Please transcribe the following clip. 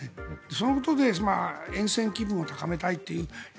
そのことで、えん戦機運を高めたいという。